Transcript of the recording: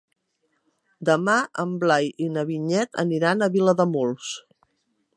Demà en Blai i na Vinyet aniran a Vilademuls.